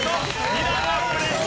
２段アップです。